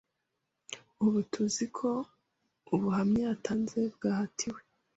Ubu tuzi ko ubuhamya yatanze bwahatiwe.